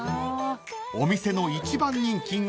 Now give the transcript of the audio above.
［お店の一番人気が］